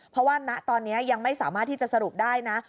เพราะว่าณตอนนี้ยังไม่สามารถที่จะสรุปได้นะ